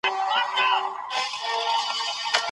پاپانو بايد په سياسي چارو کي لاسوهنه نه وای کړې.